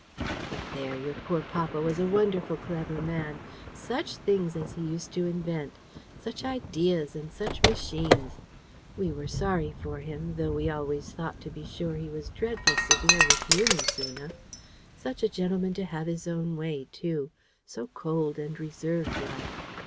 But there! your poor papa was a wonderful clever man. Such things as he used to invent! Such ideas and such machines! We were sorry for him, though we always thought, to be sure, he was dreadful severe with you, Miss Una. Such a gentleman to have his own way, too so cold and reserved like.